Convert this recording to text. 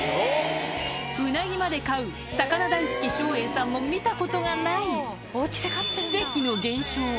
ウナギまで飼う魚大好き、照英さんも見たことがない奇跡の現象。